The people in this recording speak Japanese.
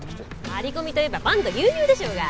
張り込みといえばパンと牛乳でしょうが。